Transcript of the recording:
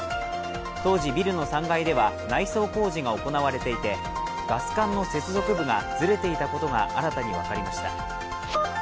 当時ビルの３階では内装工事が行われていて、ガス管の接続部がずれていたことが新たに分かりました。